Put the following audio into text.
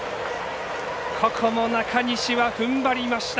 ここも中西はふんばりました。